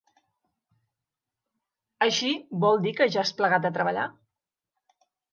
Així, vol dir que ja has plegat de treballar?